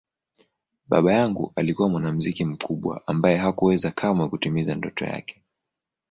Baba yangu alikuwa mwanamuziki mkubwa ambaye hakuweza kamwe kutimiza ndoto yake.